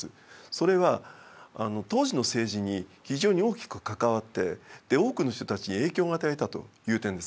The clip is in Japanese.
それは当時の政治に非常に大きく関わって多くの人たちに影響を与えたという点ですね。